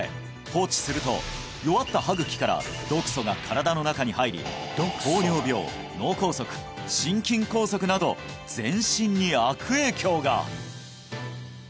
放置すると弱った歯茎から毒素が身体の中に入り糖尿病脳梗塞心筋梗塞など全身に悪影響が！